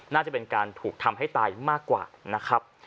น่าจะเป็นการถูกทำให้ตายมากกว่านะครับ